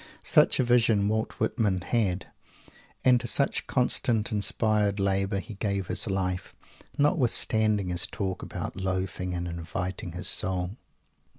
Such a vision Walt Whitman had, and to such constant inspired labour he gave his life notwithstanding his talk about "loafing and inviting his soul"!